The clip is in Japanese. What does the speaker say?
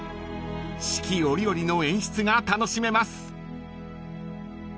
［四季折々の演出が楽しめます］